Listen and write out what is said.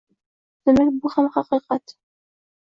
Demak, bu ham haqiqat.